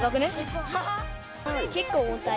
結構重たい。